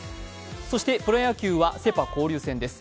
そして、プロ野球はセ・パ交流戦です。